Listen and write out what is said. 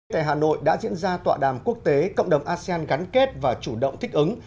tại hà nội đã diễn ra tọa đàm quốc tế cộng đồng asean gắn kết và chủ động thích ứng